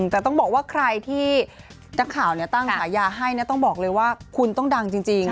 แต่ต้องบอกว่าใครที่นักข่าวตั้งฉายาให้ต้องบอกเลยว่าคุณต้องดังจริง